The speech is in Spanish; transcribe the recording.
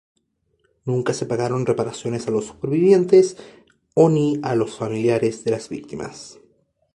Nunca se pagaron reparaciones a los supervivientes oni a los familiares de las víctimas.